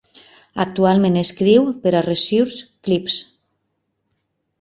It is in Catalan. Actualment escriu per a Resource Clips.